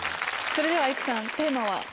それでは育さんテーマは？